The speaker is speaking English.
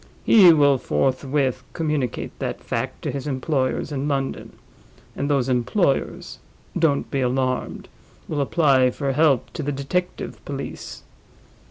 He will forthwith communicate that fact to his employers in London; and those employers (don't be alarmed!) will apply for help to the detective police.